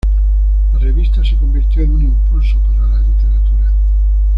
La revista se convirtió en un impulso para la literatura.